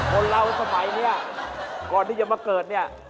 คนเราสมัยนี้ก่อนที่จะมาเกิดเนี่ย